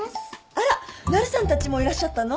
あらなるさんたちもいらっしゃったの？